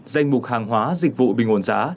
danh mục hàng hóa dịch vụ bình ổn giá